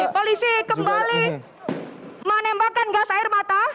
polisi kembali menembakkan gas air mata